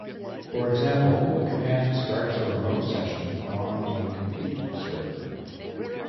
For example, the command starts a remote session on a compute server.